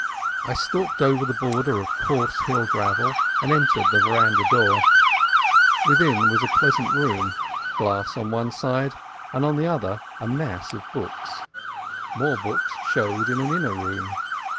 I stalked over the border of coarse hill gravel and entered the open veranda door. Within was a pleasant room, glass on one side, and on the other a mass of books. More books showed in an inner room.